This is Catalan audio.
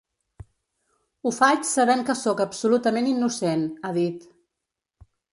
Ho faig sabent que sóc absolutament innocent, ha dit.